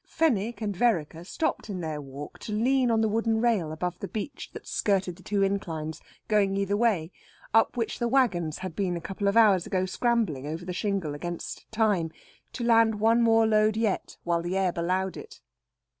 Fenwick and Vereker stopped in their walk to lean on the wooden rail above the beach that skirted the two inclines, going either way, up which the waggons had been a couple of hours ago scrambling over the shingle against time, to land one more load yet while the ebb allowed it.